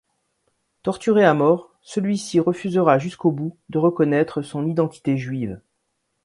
Torturé à mort, celui-ci refusera jusqu'au bout de reconnaître son identité juive.